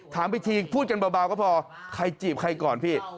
ไปทีพูดกันเบาก็พอใครจีบใครก่อนพี่